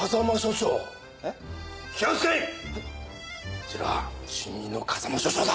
こちらは新任の風間署長だ。